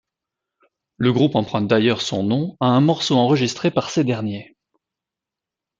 Le groupe emprunte d'ailleurs son nom à un morceau enregistré par ces derniers.